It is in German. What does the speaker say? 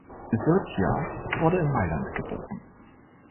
Sirchia wurde in Mailand geboren.